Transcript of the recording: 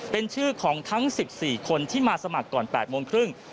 เป็นชื่อของทั้ง๑๔คนที่มาสมัครก่อน๘โมงครึ่ง